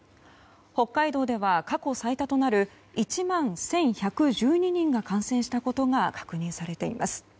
北海道では過去最多となる１万１１１２人が感染したことが確認されています。